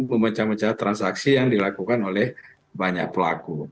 memecah mecah transaksi yang dilakukan oleh banyak pelaku